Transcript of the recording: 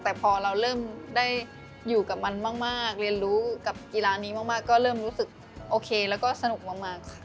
แต่พอเราเริ่มได้อยู่กับมันมากเรียนรู้กับกีฬานี้มากก็เริ่มรู้สึกโอเคแล้วก็สนุกมากค่ะ